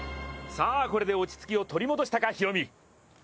これで落ち着きを取り戻したかヒロミ。